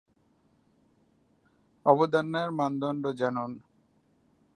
মাসিক সওগাত পত্রিকার তিনি নিয়মিত লেখক ছিলেন।